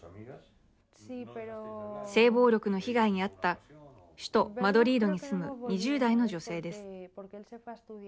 性暴力の被害に遭った首都マドリードに住む２０代の女性です。